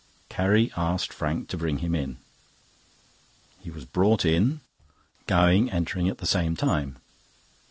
Carrie asked Frank to bring him in. He was brought in, Gowing entering at the same time.